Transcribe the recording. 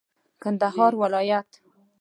کندهار ولايت